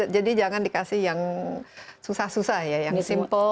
jadi jangan dikasih yang susah susah ya yang simple